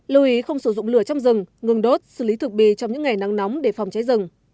lưu ý không sử dụng lửa trong rừng ngừng đốt xử lý thực bì trong những ngày nắng nóng để phòng cháy rừng